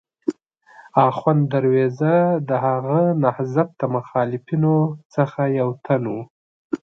اخوند درویزه د هغه نهضت د مخالفینو څخه یو تن و.